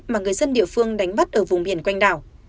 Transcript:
mà người dân địa phương đánh bắt ở vùng biển quanh đảo